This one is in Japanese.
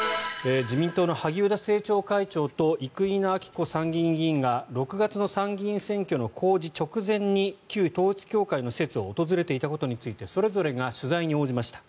自民党の萩生田政調会長と生稲晃子参院議員が６月の参議院選挙の公示直前に旧統一教会の施設を訪れていたことについてそれぞれが取材に応じました。